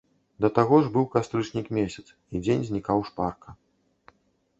Да таго ж быў кастрычнік месяц, і дзень знікаў шпарка.